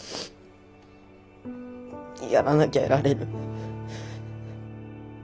やらなきゃやられる。